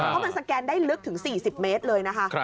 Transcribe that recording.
เพราะมันสแกนได้ลึกถึง๔๐เมตรเลยนะคะ